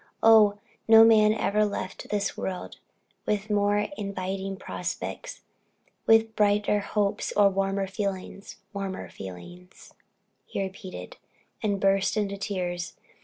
Oh! no man ever left this world with more inviting prospects, with brighter hopes or warmer feelings warmer feelings" he repeated, and burst into tears.